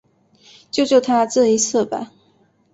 救救他这一次吧